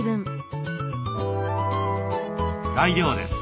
材料です。